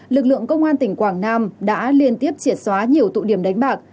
lực lượng công an tỉnh quảng nam đã liên tiếp triệt xóa nhiều tụ điểm đánh bạc